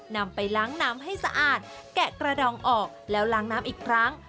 นำไปล้างน้ำให้สะอาดแกะกระดองออกแล้วล้างน้ำอีกครั้ง